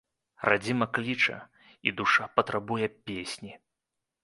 Радзіма кліча, і душа патрабуе песні.